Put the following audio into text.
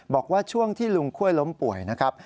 บอกว่าช่วงที่ลุงค่วยล้มป่วยนะครับ